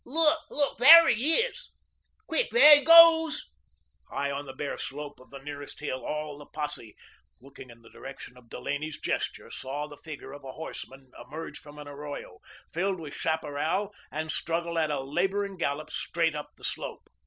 "Look! Look! There he is! Quick, there he goes!" High on the bare slope of the nearest hill, all the posse, looking in the direction of Delaney's gesture, saw the figure of a horseman emerge from an arroyo, filled with chaparral, and struggle at a labouring gallop straight up the slope.